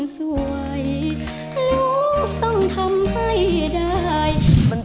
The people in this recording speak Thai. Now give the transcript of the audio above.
ส่งที่คืน